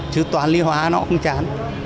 chứ toàn lý hóa nó cũng chán